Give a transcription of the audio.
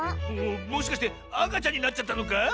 もしかしてあかちゃんになっちゃったのか？